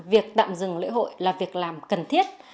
việc tạm dừng lễ hội là việc làm cần thiết